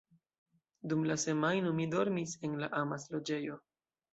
Dum la semajno, mi dormis en la “amas-loĝejo”.